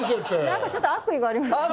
なんかちょっと悪意がありますよね？